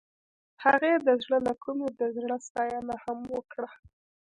هغې د زړه له کومې د زړه ستاینه هم وکړه.